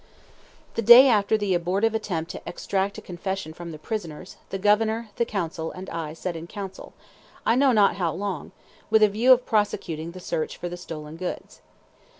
The day after the abortive attempt to extract a confession from the prisoners, the Governor, the consul, and I sat in council, I know not how long, with a view of prosecuting the search for the stolen goods.